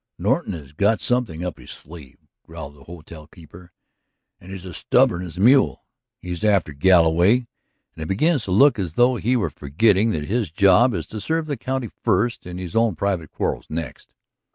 "Norton has got something up his sleeve," growled the hotel keeper, "and he's as stubborn as a mule. He's after Galloway, and it begins to look as though he were forgetting that his job is to serve the county first and his own private quarrels next.